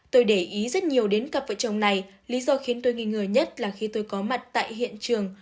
tôi để ý rất nhiều đến cặp vợ chồng này lý do khiến tôi nghi ngờ nhất là khi tôi có mặt tại hiện trường